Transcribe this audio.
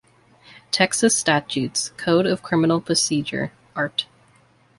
Texas Statutes, Code of Criminal Procedure, Art.